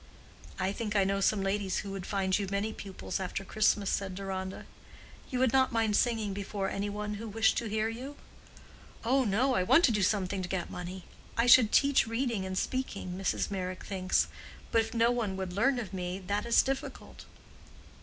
"I think I know some ladies who would find you many pupils after Christmas," said Deronda. "You would not mind singing before any one who wished to hear you?" "Oh no, I want to do something to get money. I could teach reading and speaking, Mrs. Meyrick thinks. But if no one would learn of me, that is difficult."